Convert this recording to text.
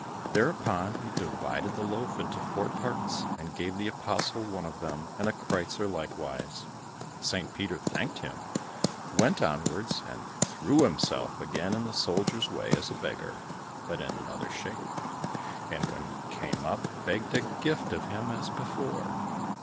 Thereupon he divided the loaf into four parts, and gave the apostle one of them, and a kreuzer likewise. St. Peter thanked him, went onwards, and threw himself again in the soldier's way as a beggar, but in another shape; and when he came up begged a gift of him as before.